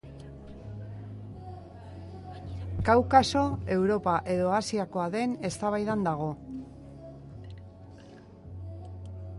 Kaukaso Europa edo Asiakoa den eztabaidan dago.